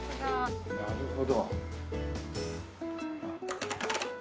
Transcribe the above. なるほど。